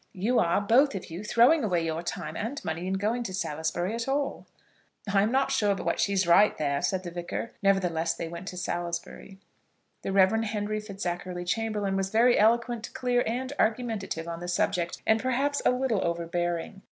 You are, both of you, throwing away your time and money in going to Salisbury at all." "I'm not sure but what she's right there," said the Vicar. Nevertheless they went to Salisbury. The Rev. Henry Fitzackerly Chamberlaine was very eloquent, clear, and argumentative on the subject, and perhaps a little overbearing.